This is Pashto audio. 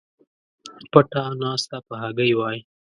پټه ناسته په هګۍ وای